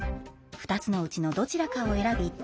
２つのうちのどちらかを選び